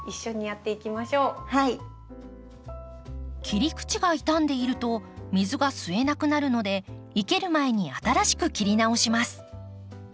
切り口が傷んでいると水が吸えなくなるので生ける前に新しく切り直します。